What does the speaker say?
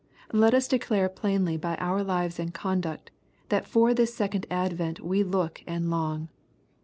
Let us declare plainly by our lives and conduct, that for this second advent we look and long.